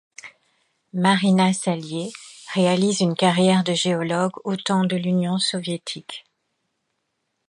Marina Salié réalise une carrière de géologue au temps de l'Union soviétique.